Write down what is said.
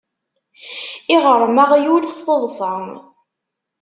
Iɣṛem aɣyul s teḍṣa.